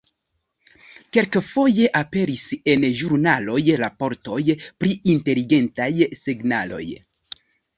Kelkfoje aperis en ĵurnaloj raportoj pri inteligentaj signaloj.